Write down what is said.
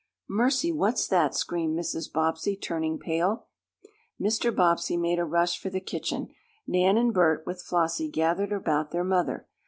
"Mercy! What's that?" screamed Mrs. Bobbsey, turning pale. Mr. Bobbsey made a rush for the kitchen. Nan and Bert, with Flossie, gathered about their mother.